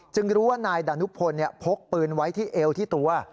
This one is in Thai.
จึงรู้ว่านายดานุพลเนี่ยพกปืนไว้ที่เอ็วที่ตัว